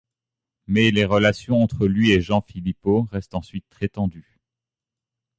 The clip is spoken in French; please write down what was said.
Mais les relations entre lui et Jean Philippot restent ensuite très tendues.